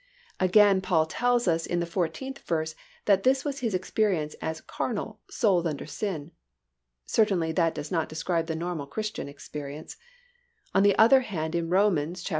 Again Paul tells us in the fourteenth verse that this was his experience as "carnal, sold under sin." Certainly, that does not describe the normal Christian experience. On the other hand in Rom. viii.